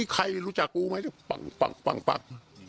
ค่ายรู้จักกูไหม